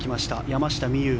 山下美夢